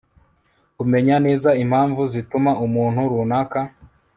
kumenya neza impamvu zituma umuntu runaka